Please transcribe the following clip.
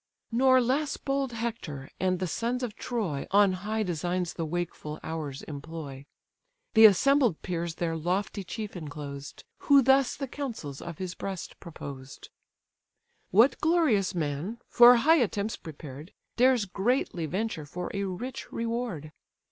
Nor less bold Hector, and the sons of Troy, On high designs the wakeful hours employ; The assembled peers their lofty chief enclosed; Who thus the counsels of his breast proposed: "What glorious man, for high attempts prepared, Dares greatly venture for a rich reward?